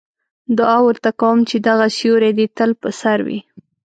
دعا ورته کوم چې دغه سیوری دې تل په سر وي.